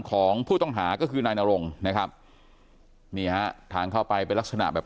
ของผู้ต้องหาก็คือนายนรงนะครับนี่ฮะทางเข้าไปเป็นลักษณะแบบ